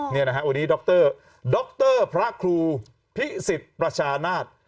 นี่นะฮะวันนี้ดรดรพระครูพิสิทธิ์ประชานาศ